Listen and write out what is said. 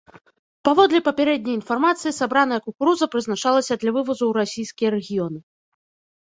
Паводле папярэдняй інфармацыі, сабраная кукуруза прызначалася для вывазу ў расійскія рэгіёны.